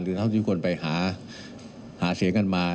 หรือเท่าที่ทุกคนไปหาเสียงกันมา